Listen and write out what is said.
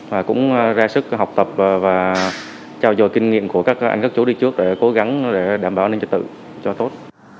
và cũng ra sức học tập và trao dồi kinh nghiệm của các anh các chú đi trước để cố gắng để đảm bảo an ninh trật tự cho tốt